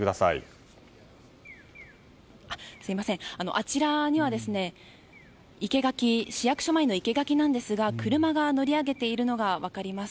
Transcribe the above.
あちらには市役所前の生け垣なんですが車が乗り上げているのが分かります。